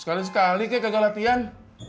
sekali sekali dia gagal latihan